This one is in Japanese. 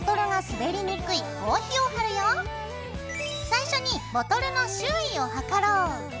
最初にボトルの周囲を測ろう。